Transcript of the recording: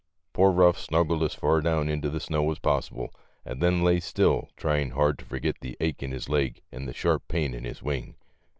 Poor Euff snuggled as far down into the snow as possible and then lay still, trying hard to forget the ache in his leg and the sharp pain in his wing.